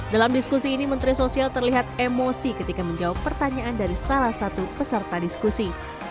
dalam diskusi ini menteri sosial terlihat emosi ketika menjawab pertanyaan dari salah satu peserta diskusi